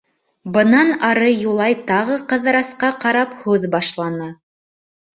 Бынан ары Юлай тағы Ҡыҙырасҡа ҡарап һүҙ башланы: